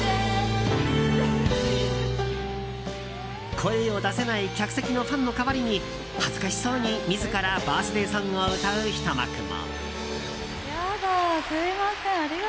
声を出せない客席のファンの代わりに恥ずかしそうに自らバースデーソングを歌うひと幕も。